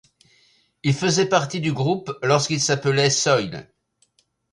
Il faisait partie du groupe lorsqu'il s'appelait Soil.